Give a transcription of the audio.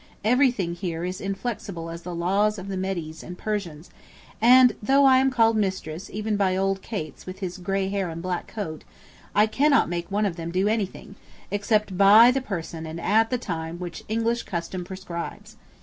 Everything here is inflexible as the laws of the Medes and Persians, and though I am called "Mistress" even by old Cates with his grey hair and black coat, I cannot make one of them do anything, except by the person and at the time which English custom prescribes.